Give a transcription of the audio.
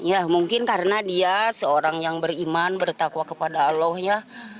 ya mungkin karena dia seorang yang beriman bertakwa kepada allah ya